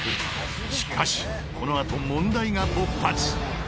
しかしこのあと問題が勃発！？